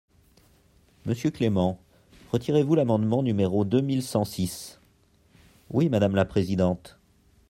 Monsieur Clément, retirez-vous l’amendement numéro deux mille cent six ? Oui, madame la présidente.